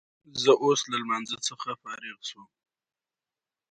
لمریز ځواک د افغانستان د صنعت لپاره مواد برابروي.